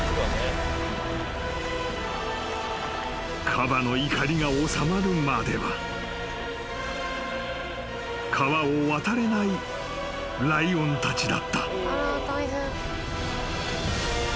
［カバの怒りが収まるまでは川を渡れないライオンたちだった］